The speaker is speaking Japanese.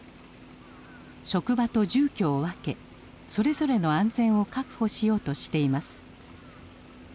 職場と住居を分けそれぞれの安全を確保しようとしています。